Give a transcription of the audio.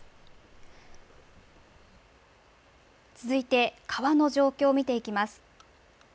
続いて、川の状況を見ていきます。